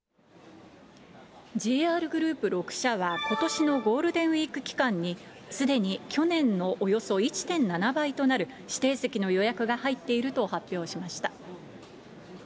ＪＲグループ６社はことしのゴールデンウィーク期間に、すでに去年のおよそ１．７倍となる指定席の予約が入っていると発表しました。